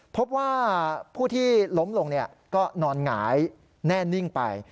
พบว่าผู้ที่ล้มลงก็นอนหงายแน่นิ่งไป